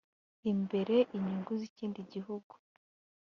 imbere inyungu z ikindi gihugu